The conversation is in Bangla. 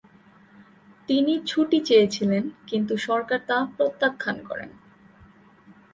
তিনি ছুটি চেয়েছিলেন কিন্তু সরকার তা প্রত্যাখ্যান করেন।